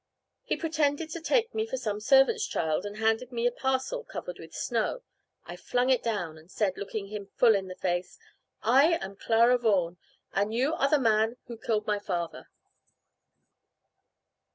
He pretended to take me for some servant's child, and handed me a parcel covered with snow. I flung it down, and said, looking him full in the face, "I am Clara Vaughan, and you are the man who killed my father."